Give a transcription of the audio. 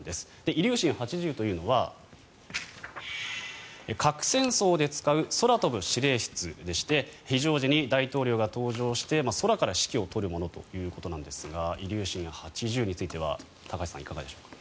イリューシン８０というのは核戦争で使う空飛ぶ指令室でして非常時に大統領が搭乗して空から指揮を執るものということですがイリューシン８０については高橋さん、いかがでしょうか。